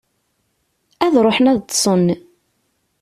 Ad ruḥen ad ṭṭsen.